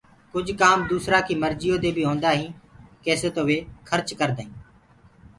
ڪجھ ڪآم دوسرآ ڪيٚ مرجيو دي هونٚدآ هينٚ ڪيسي تو وي کرچ ڪردآئينٚ